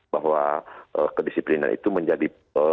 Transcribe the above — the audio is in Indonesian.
bahwa kedisiplinan itu menjadi